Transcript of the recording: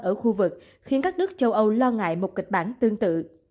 ở khu vực khiến các nước châu âu lo ngại một kịch bản tương tự